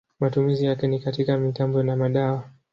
Matumizi yake ni katika mitambo na madawa.